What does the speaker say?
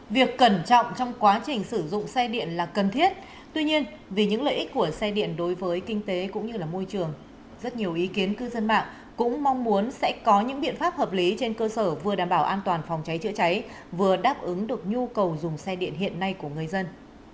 việc cẩn trọng trong quá trình sử dụng xe điện là cần thiết tuy nhiên vì những lợi ích của xe điện đối với kinh tế cũng như là môi trường rất nhiều ý kiến cư dân mạng cũng mong muốn sẽ có những biện pháp hợp lý trên cơ sở vừa đảm bảo an toàn phòng cháy chữa cháy vừa đáp ứng được nhu cầu dùng xe điện hiện nay của người dân